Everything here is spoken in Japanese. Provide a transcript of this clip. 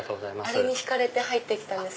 あれに引かれて入ってきたんです